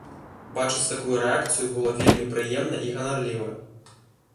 Бачыць такую рэакцыю было вельмі прыемна і ганарліва.